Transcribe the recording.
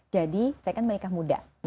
jadi saya kan menikah muda